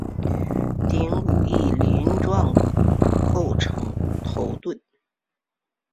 顶骨与鳞状骨构成头盾。